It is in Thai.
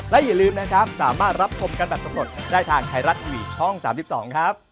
และอย่าลืมนะครับสามารถรับชมกันแบบสำรวจได้ทางไทยรัฐทีวีช่อง๓๒ครับ